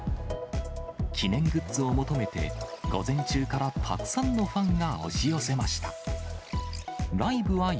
記念グッズを求めて、午前中からたくさんのファンが押し寄せました。